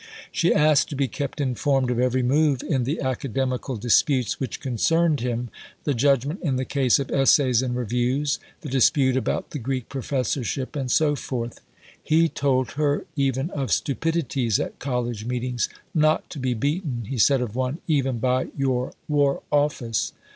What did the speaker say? She asked to be kept informed of every move in the academical disputes which concerned him, the judgment in the case of Essays and Reviews, the dispute about the Greek Professorship, and so forth. He told her even of stupidities at College meetings "not to be beaten," he said of one, "even by your War Office."